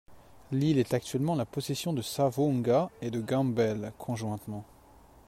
L'île est actuellement la possession de Savoonga et de Gambell conjointement.